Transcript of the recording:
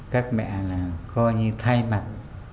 các mẹ là coi như thay mặt